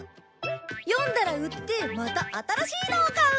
読んだら売ってまた新しいのを買う！